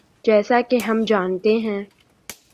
جیسا کہ ہم جانتے ہیں۔